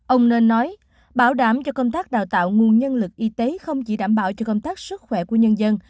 ông nên nói bảo đảm cho công tác đào tạo nguồn nhân lực y tế không chỉ đảm bảo cho công tác sức khỏe của nhân dân